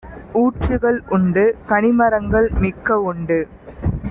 ஊற்றுக்கள் உண்டு; கனிமரங்கள் மிக்க உண்டு;